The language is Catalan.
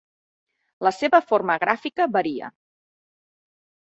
La seva forma gràfica varia.